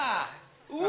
うわ！